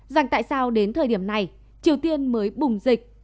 dành tại sao đến thời điểm này triều tiên mới bùng dịch